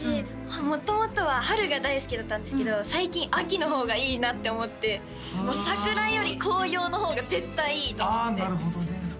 元々は春が大好きだったんですけど最近秋の方がいいなって思って桜より紅葉の方が絶対いいと思ってああなるほどね